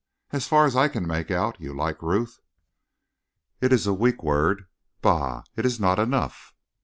As far as I can make out, you like Ruth?" "It is a weak word. Bah! It is not enough."